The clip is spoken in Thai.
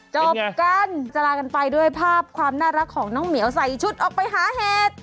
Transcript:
จบกันจะลากันไปด้วยภาพความน่ารักของน้องเหมียวใส่ชุดออกไปหาเห็ด